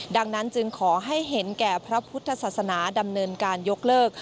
ดังนั้นจึงขอให้เห็นแก่พระพุทธศาสนาดำเนินการยกเลิก